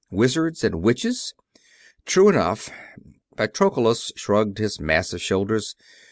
Wizards and witches." "True enough." Patroclus shrugged his massive shoulders.